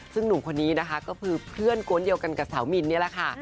ซึ่งหนุ่มคนนี้นะคะก็คือเพื่อนกวนเดียวกันกับสาวมินนี่แหละค่ะ